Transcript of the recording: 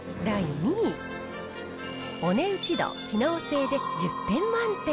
お値打ち度機能性で１０点満点。